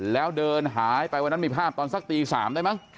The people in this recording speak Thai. แล้วเดินหายไปวันนั้นมีภาพตอนสักตี๓ได้มั้ง